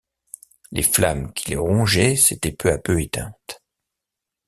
Les flammes qui le rongeaient s’étaient peu à peu éteintes.